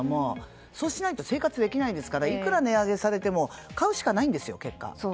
そうしないと生活できないんですからいくら値上げされても買うしかないんですよ、結果。